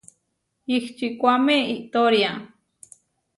Ihčikuáme iʼtória.